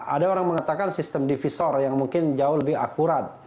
ada orang mengatakan sistem divisor yang mungkin jauh lebih akurat